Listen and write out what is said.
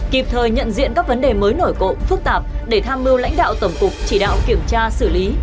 kịp thời nhận diện các vấn đề mới nổi cộng phức tạp để tham mưu lãnh đạo tổng cục chỉ đạo kiểm tra xử lý